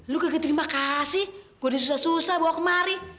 lu gak keterima kasih gue udah susah susah bawa kemari